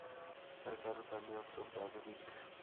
তার কারণ আমিও অত্যন্ত আধুনিক!